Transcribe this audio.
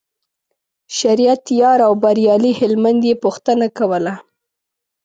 شریعت یار او بریالي هلمند یې پوښتنه کوله.